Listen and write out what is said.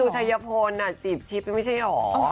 ชัยพนน่ะจีบชิปไม่ใช่หรอ